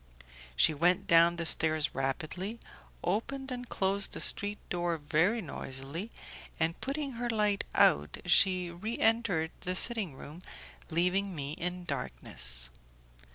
She went down the stairs rapidly, opened and closed the street door very noisily, and putting her light out, she reentered the sitting room, leaving me in darkness.